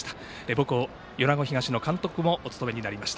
母校、米子東の監督もお務めになりました。